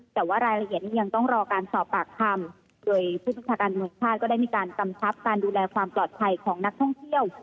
แต่ว่ารายละเอียดนี้ยังต้องรอการสอบปากคำโดยผู้บัญชาการเมืองชาติก็ได้มีการกำชับการดูแลความปลอดภัยของนักท่องเที่ยว